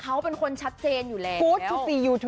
มันชัดเจนอยู่แล้ว